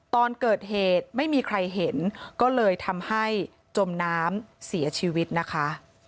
ตอนเกิดเหตุไม่มีใครเห็นก็เลยทำให้จมน้ำเสียชีวิตนะคะ